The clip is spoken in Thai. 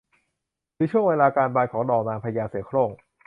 หรือช่วงเวลาการบานของดอกนางพญาเสือโคร่ง